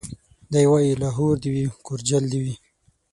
دی وايي لاهور دي وي کورجل دي وي